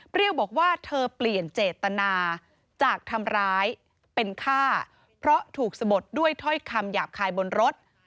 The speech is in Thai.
บอกว่าเธอเปลี่ยนเจตนาจากทำร้ายเป็นฆ่าเพราะถูกสะบดด้วยถ้อยคำหยาบคายบนรถ